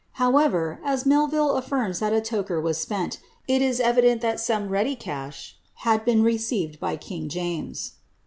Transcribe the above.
However, as Melville allirm? \\'»\» locher was spent, it is evident some ready cash had been received bv Jiing James.